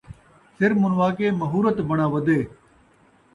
سر مُنوا کے مہورت بݨا ودے